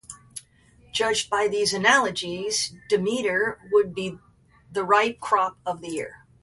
Judged by these analogies, Demeter would be the ripe crop of this year.